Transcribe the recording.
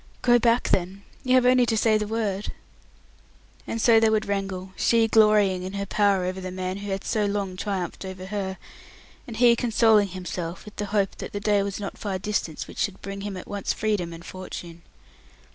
"Go back, then. You have only to say the word!" And so they would wrangle, she glorying in her power over the man who had so long triumphed over her, and he consoling himself with the hope that the day was not far distant which should bring him at once freedom and fortune.